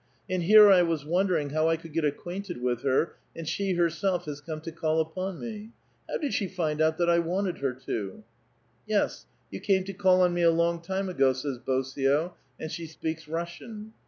And here I was wondering how I could get acquainted with her, and she herself has come to call upon me. How did she find out that I wanted her to ?"" Yes ; you came to call on me a long time ago," saj'S Bosio, and she speaks Russian.